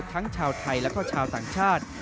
ทั้งชาวไทยและก็ชาวต่างชาติ